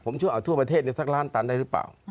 ผมเชื่อเอาทั่วประเทศสักล้านตันได้หรือเปล่า